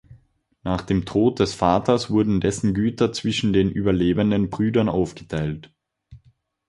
Nach dem Tod des Vaters wurden dessen Güter zwischen den überlebenden Brüdern aufgeteilt.